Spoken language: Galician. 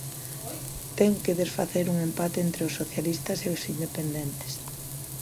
Ten que desfacer un empate entre os socialistas e os independentes.